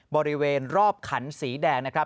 บริเวณรอบขันสีแดงนะครับ